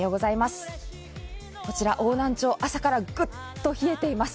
こちら邑南町、朝からグッと冷えています。